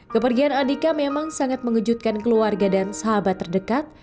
kepergian andika memang sangat mengejutkan keluarga dan sahabat terdekat